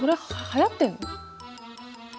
はやってるの？